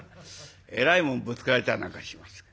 えらいもんぶつけられたりなんかしまして。